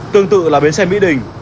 tương tự là bến xe mỹ đình